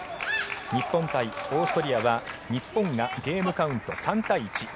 日本対オーストリアは日本がゲームカウント３対１。